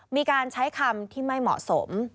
มีการใช้คำที่ไม่เหมาะสม